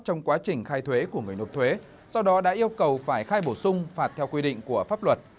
trong quá trình khai thuế của người nộp thuế do đó đã yêu cầu phải khai bổ sung phạt theo quy định của pháp luật